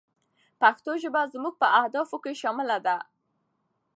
پښتو ژبه زموږ په اهدافو کې شامله ده.